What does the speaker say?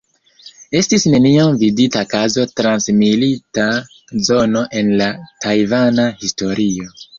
Estis neniam vidita kazo trans milita zono en la tajvana historio.